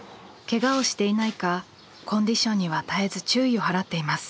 ケガをしていないかコンディションには絶えず注意を払っています。